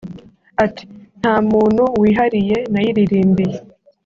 Ati “ Nta muntu wihariye nayiririmbiye